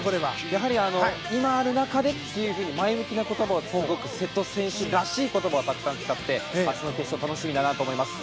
やはり、今ある中でという前向きな言葉は瀬戸選手らしい言葉をたくさん使って明日の決勝楽しみだなと思います。